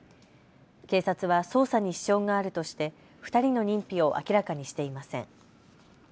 警察は捜査に支障があるとして２人の認否を明らかにしていません。